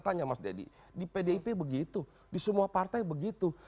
tanya mas deddy di pdip begitu di semua partai begitu